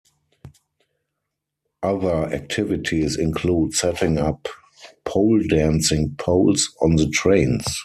Other activities include setting up pole-dancing poles on the trains.